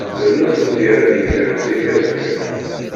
D nutenti ara d-yekkren zik azekka.